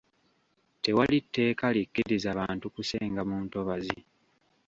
Tewali tteeka likkiriza bantu kusenga mu ntobazi.